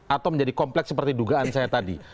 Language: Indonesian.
atau menjadi kompleks seperti dugaan saya tadi